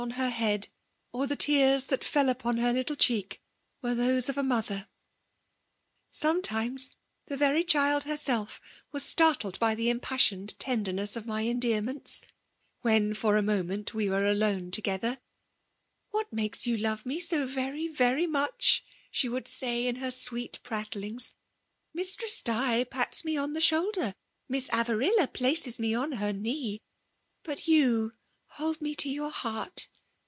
on her head* or the tears that faB opim her Utile cheeky were those of a mother I f ''^ Sometimes, the very diiid hersdf was startled by the impassioned tendiemeas of mj MBOiidoarments, when for a moment we ware ^one together. * What makes you love lae ao eVesy, vefy much V she would say in her awest . prattlings :— 'Mistress Di pats me on the shoalder; Miss Aviurilia places me on her knee ; but ycu hold me to yout heart.